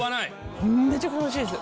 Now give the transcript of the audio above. めっちゃおいしいです！